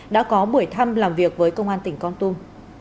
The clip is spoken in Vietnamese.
đã có buổi thăm làm việc với công an tỉnh con tum